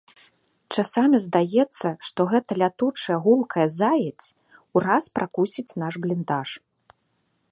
Часамі здаецца, што гэта лятучая гулкая заедзь ураз пракусіць наш бліндаж.